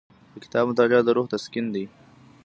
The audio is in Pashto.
د کتاب مطالعه د روح تسکین دی.